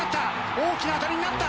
大きな当たりになった！